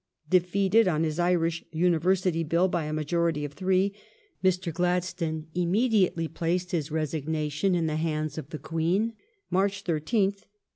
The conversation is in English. Defeated on his Irish Cabinet University Bill by a majority of three, Mr. Gladstone immediately placed his resignation in the hands of the Queen (March 13th, 1873).